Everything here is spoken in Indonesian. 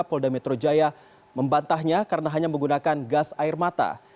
polda metro jaya membantahnya karena hanya menggunakan gas air mata